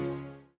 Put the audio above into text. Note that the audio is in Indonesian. gak ada apa apa